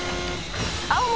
青森。